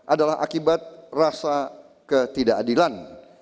adalah akibat rasa ketidakadilan